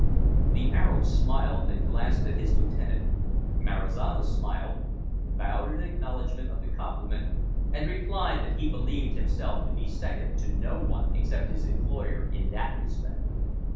The Arab smiled and glanced at his lieutenant. Marizano smiled, bowed in acknowledgment of the compliment, and replied that he believed himself to be second to no one except his employer in that respect.